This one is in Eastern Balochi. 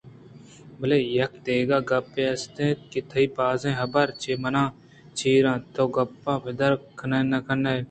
بلئے یک دگہ گپے است کہ تئی بازیں حبر چہ منا چیر اَنت ءُتو گپاں پدّر نہ کنئے